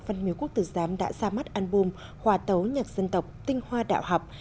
văn miếu quốc tử giám đã ra mắt album hòa tấu nhạc dân tộc tinh hoa đạo học